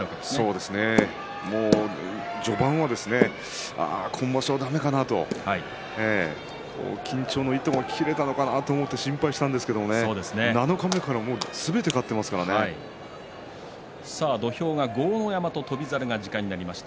序盤は今場所はだめかなと緊張の糸が切れたのかなと思って心配したんですが七日目から、すべて土俵が豪ノ山と翔猿が時間いっぱいです。